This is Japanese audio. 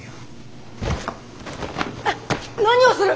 うっ何をする！